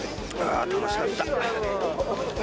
あー、楽しかった。